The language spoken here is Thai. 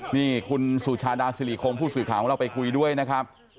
นี่คุณสุชาดาสิริคงผู้สื่อข่าวของเราไปคุยด้วยนะครับ